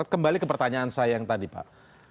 kembali ke pertanyaan saya yang tadi pak